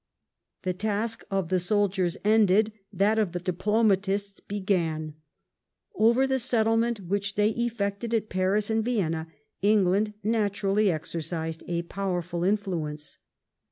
The task of the soldiers ended, that of the diplomatists began. The settle Over the settlement which they effected at Paris and Vienna, ^^"^°^ England naturally exercised a powerful influence.